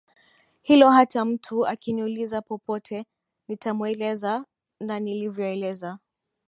hilo hata mtu akiniuliza popote nitamweleza na nilivyoeleza